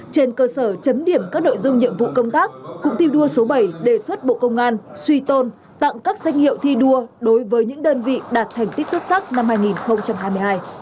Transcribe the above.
trên cơ sở chấm điểm các nội dung nhiệm vụ công tác cụm thi đua số bảy đề xuất bộ công an suy tôn tặng các danh hiệu thi đua đối với những đơn vị đạt thành tích xuất sắc năm hai nghìn hai mươi hai